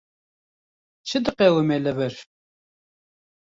Çi diqewime li wir?